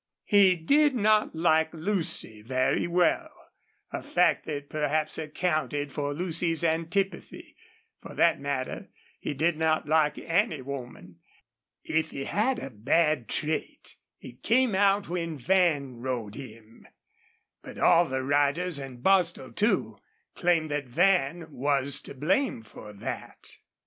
He did not like Lucy very well, a fact that perhaps accounted for Lucy's antipathy. For that matter, he did not like any woman. If he had a bad trait, it came out when Van rode him, but all the riders, and Bostil, too, claimed that Van was to blame for that.